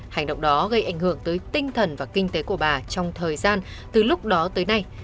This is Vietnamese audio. hành động đó gây ảnh hưởng tới tinh thần và kinh tế của bà trong thời gian từ lúc đó tới nay